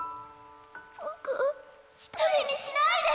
僕を一人にしないで。